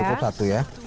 cukup satu ya